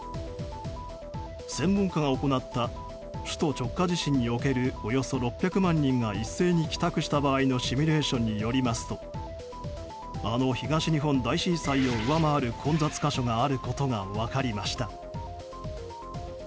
専門家が行った首都直下地震におけるおよそ６００万人が一斉に帰宅した場合のシミュレーションによりますとあの東日本大震災を上回る混雑箇所があることが分かりました。